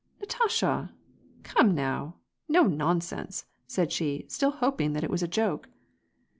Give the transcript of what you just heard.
" Natasha ! Come now ! No nonsense !" said she, still hop ing that it was a joke.